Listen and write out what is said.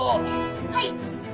はい。